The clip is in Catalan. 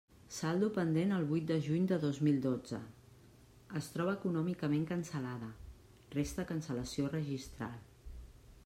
Saldo pendent el vuit de juny de dos mil dotze: es troba econòmicament cancel·lada, resta cancel·lació registral.